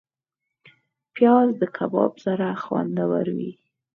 پیاز د کباب سره خوندور وي